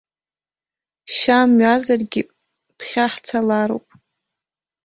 Шьамҩазаргьы, ԥхьа ҳцалароуп!